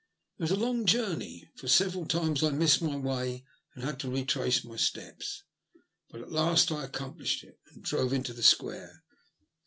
It was a long journey, for several times I missed my way and had to retrace my steps ; but at last I accomplished it and drove into the Square.